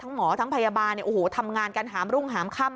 หมอทั้งพยาบาลเนี่ยโอ้โหทำงานกันหามรุ่งหามค่ำ